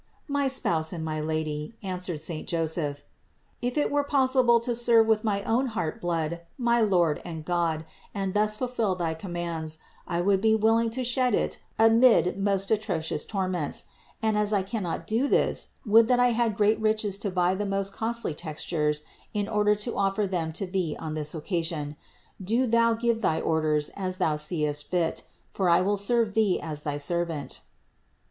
439. "My Spouse and Lady," answered saint Joseph, "if it were possible to serve with my own heart blood my Lord and God and thus fulfill thy commands, I would be willing to shed it amid most atrocious torments; and as I cannot do this, would that I had great riches to buy the most costly textures in order to offer them to Thee on this occasion. Do Thou give thy orders as Thou seest fit, for I will serve Thee as thy servant."